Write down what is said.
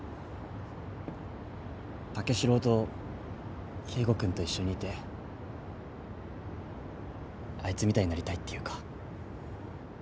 武四郎と圭吾君と一緒にいてあいつみたいになりたいっていうか。